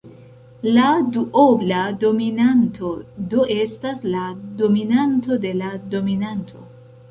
La duobla dominanto do estas la dominanto de la dominanto.